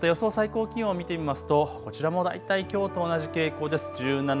また予想最高気温を見てみますとこちらも大体きょうと同じ傾向です。